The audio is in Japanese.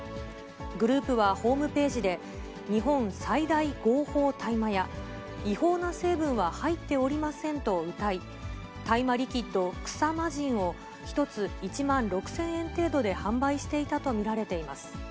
グループはホームページで、日本最大合法大麻屋、違法な成分は入っておりませんとうたい、大麻リキッド、草魔人を１つ１万６０００円程度で販売していたと見られています。